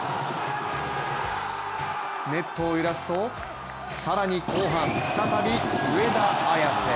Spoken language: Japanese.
ネットを揺らすと更に後半、再び上田綺世。